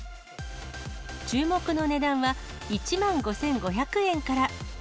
注目の値段は、１万５５００円から。